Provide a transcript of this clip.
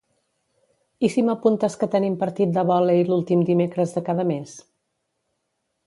I si m'apuntes que tenim partit de vòlei l'últim dimecres de cada mes?